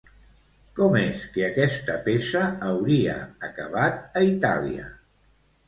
Com és que aquesta peça hauria acabat a Itàlia?